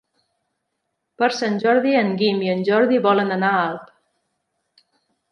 Per Sant Jordi en Guim i en Jordi volen anar a Alp.